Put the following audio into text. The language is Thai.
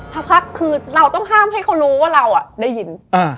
พักคือเราต้องห้ามให้เขารู้ว่าเราได้ยิน